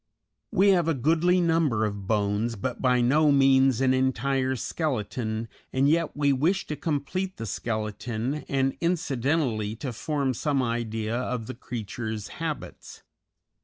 We have a goodly number of bones, but by no means an entire skeleton, and yet we wish to complete the skeleton and incidentally to form some idea of the creature's habits.